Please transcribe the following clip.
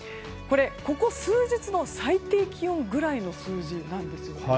ここ数日の最低気温ぐらいの数字なんですよね。